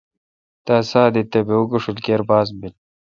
تا ساہ دیت تے° بہ اوکوشیل کیر باز بیل۔